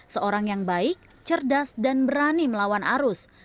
seorang yang baik cerdas dan berani melawan arus